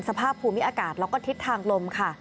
สภาพภูมิอากาศแล้วก็ทิศทางลมค่ะ